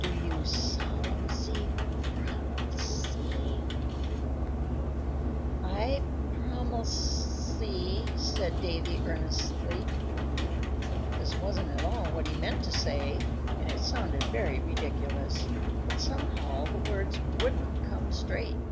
Do you solemsy promilse?" "I prolemse," said Davy, earnestly. This wasn't at all what he meant to say, and it sounded very ridiculous; but somehow the words wouldn't come straight.